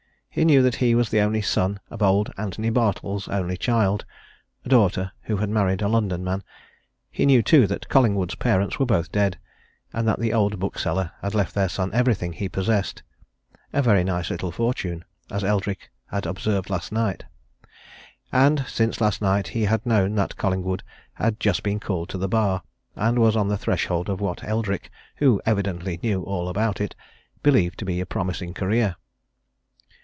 He knew that he was the only son of old Antony Bartle's only child a daughter who had married a London man; he knew, too, that Collingwood's parents were both dead, and that the old bookseller had left their son everything he possessed a very nice little fortune, as Eldrick had observed last night. And since last night he had known that Collingwood had just been called to the Bar, and was on the threshold of what Eldrick, who evidently knew all about it, believed to be a promising career.